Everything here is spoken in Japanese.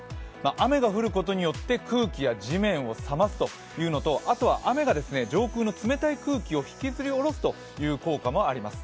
雨が降ることによって空気や地面を冷ますというのとあとは雨が上空の冷たい空気を引きずり降ろすという効果もあります。